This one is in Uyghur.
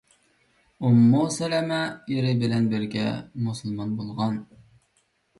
ئۇممۇ سەلەمە — ئېرى بىلەن بىرگە مۇسۇلمان بولغان.